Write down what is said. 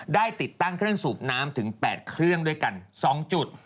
ได้ติดตั้งเครื่องสูบน้ำถึง๘เครื่องด้วยกัน๒จุด